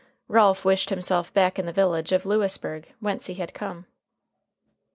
Ralph wished himself back in the village of Lewisburg, whence he had come.